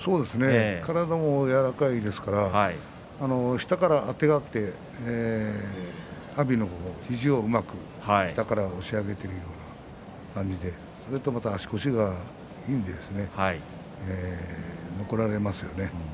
体も柔らかいですから下からあてがって阿炎の肘を下から押し上げているような感じで、また足腰がいいんで残られますよね。